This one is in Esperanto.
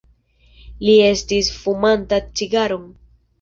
Li estis fumanta cigaron.